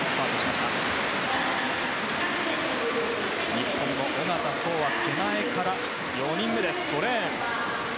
日本の小方颯は手前から４人目５レーン。